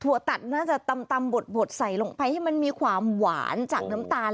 ตัดน่าจะตำบดใส่ลงไปให้มันมีความหวานจากน้ำตาล